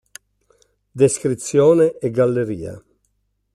Descrizione e galleria